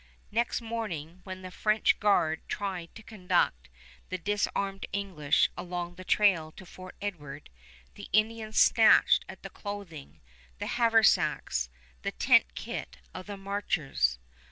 Next morning, when the French guard tried to conduct the disarmed English along the trail to Fort Edward, the Indians snatched at the clothing, the haversacks, the tent kit of the marchers.